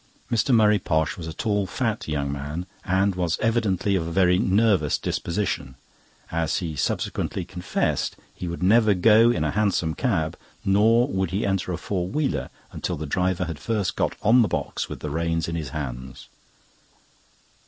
Mr. Murray Posh was a tall, fat young man, and was evidently of a very nervous disposition, as he subsequently confessed he would never go in a hansom cab, nor would he enter a four wheeler until the driver had first got on the box with his reins in his hands.